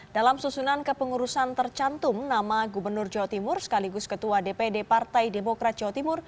dalam susunan kepengurusan tercantum nama gubernur jawa timur sekaligus ketua dpd partai demokrat jawa timur